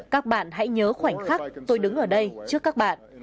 các bạn hãy nhớ khoảnh khắc tôi đứng ở đây trước các bạn